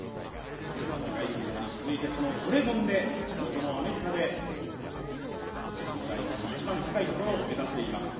ドーハ世界陸上に続いて地元のアメリカで表彰台の一番高いところを目指しています。